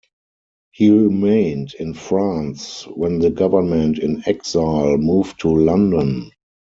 He remained in France when the government in exile moved to London.